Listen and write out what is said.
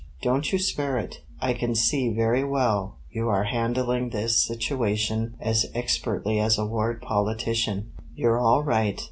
Don't you spare it. I can see very well you are handling this situation as expertly as a ward politician. You're all right.